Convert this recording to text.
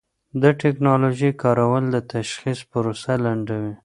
د ټېکنالوژۍ کارول د تشخیص پروسه لنډوي.